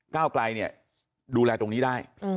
ก้าวไกลเนี่ยดูแลตรงนี้ได้